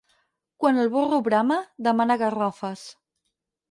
Quan el burro brama, demana garrofes.